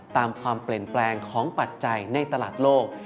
ตามความเปลี่ยนแปลงของปัจจัยในตลาดโลก